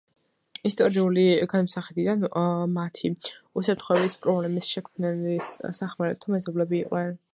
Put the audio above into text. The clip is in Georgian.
ისტორიული გადმოსახედიდან, მათი უსაფრთხოების პრობლემის შემქმნელი სახმელეთო მეზობლები იყვნენ.